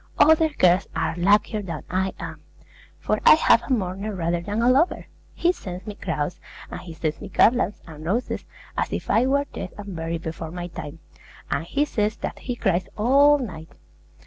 Other girls are luckier than I am; for I have a mourner rather than a lover. He sends me crowns, and he sends me garlands and roses, as if I were dead and buried before my time, and he says that he cries all night.